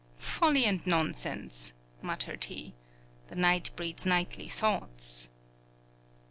"Folly and nonsense," muttered he; "the night breeds nightly thoughts!"